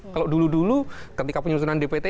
kalau dulu dulu ketika penyusunan dpt